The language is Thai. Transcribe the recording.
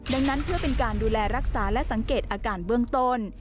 ดังนั้นเพื่อเป็นการดูแลรักษาและสังเกตอาการเบื้องต้น